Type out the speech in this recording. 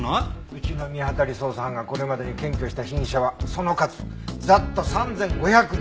うちの見当たり捜査班がこれまでに検挙した被疑者はその数ざっと３５００人。